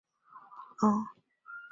州议会确保了这些分校的自主权。